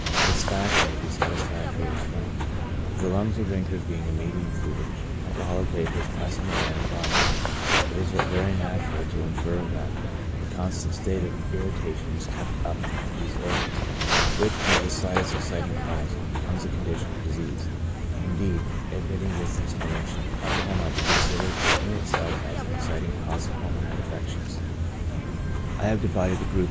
This fact may be satisfactorily explained, for the lungs of drinkers being a medium through which alcoholic vapors pass on their way out of the body, it is but very natural to infer that a constant state of irrita tion is kept up in these organs, which, under the slightest exciting cause, becomes a condition of disease ; indeed, admitting this explanation, alcohol might be considered in itself as an exciting cause of pulmonary affections. I have divided the group.